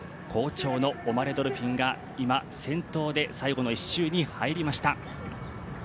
好調のオマレ・ドルフィンが、今、最後の１周に入りました。